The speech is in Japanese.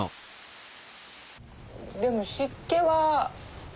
でも湿気は。